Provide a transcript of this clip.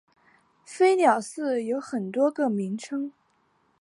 飞鸟寺有很多个名称。